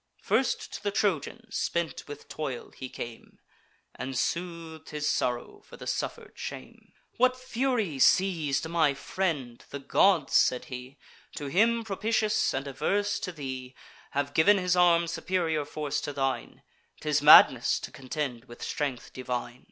First to the Trojan, spent with toil, he came, And sooth'd his sorrow for the suffer'd shame. "What fury seiz'd my friend? The gods," said he, "To him propitious, and averse to thee, Have giv'n his arm superior force to thine. 'Tis madness to contend with strength divine."